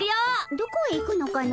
どこへ行くのかの？